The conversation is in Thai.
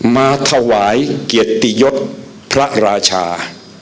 มาถวายเกียรติยศพระราชา